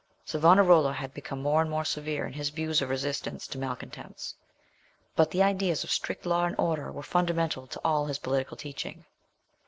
Savonarola had become more and more severe in his views of resistance to malcontents; but the ideas of strict law and order were fundamental to all his political teaching.